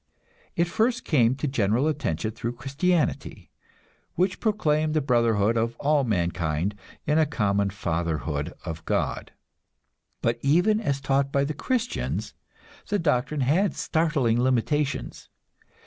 It first came to general attention through Christianity, which proclaimed the brotherhood of all mankind in a common fatherhood of God. But even as taught by the Christians, the doctrine had startling limitations.